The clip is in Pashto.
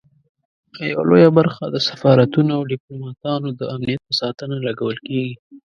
یوه لویه برخه د سفارتونو او ډیپلوماټانو د امنیت په ساتنه لګول کیږي.